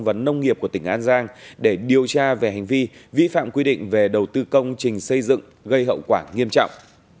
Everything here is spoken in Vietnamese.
vấn nông nghiệp của tỉnh an giang để điều tra về hành vi vi phạm quy định về đầu tư công trình xây dựng gây hậu quả nghiêm trọng